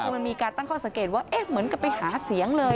คือมันมีการตั้งข้อสังเกตว่าเหมือนกับไปหาเสียงเลย